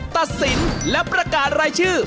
ตัดสินและประกาศรายชื่อ